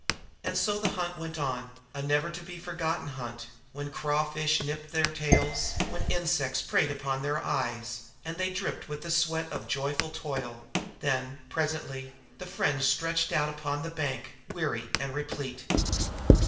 And so the hunt went on, a never to be forgotten hunt, when crawfish nipped their tails, when insects preyed upon their eyes, and they dripped with the sweat of joyful toil; then, presently, the friends stretched out upon the bank, weary and replete.